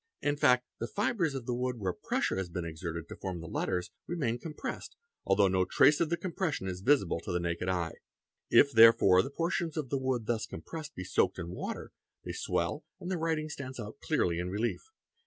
In fact, the fibres of the wood, where pressure has been exerted to form the letters, remain compressed, although no trace of the compression is visible to the naked AE eA le i i AANA eye. If therefore the portions of wood thus compressed be soaked in water, they swell and the writing stands out clearly in relief.